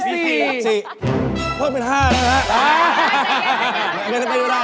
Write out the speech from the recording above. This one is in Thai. เพิ่มเป็น๕แล้วครับ